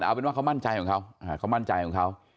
เอาเป็นว่าเขามั่นใจของเขาเขามั่นใจของเขา